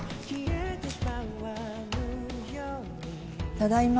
・ただいま。